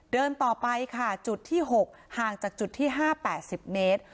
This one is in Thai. เดินต่อไปค่ะจุดที่๖ห่างจากจุดที่๕๘๐เมตร